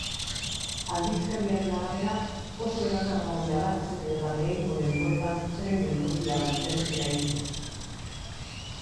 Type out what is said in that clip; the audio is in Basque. Aldizkariaren arabera, oso erakargarria da zeren eta lehengo denboretan tren-geltokia baitzen eraikina.